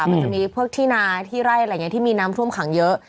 มันจะมีพวกที่นาที่ไร่อะไรอย่างนี้ที่มีน้ำท่วมขังเยอะ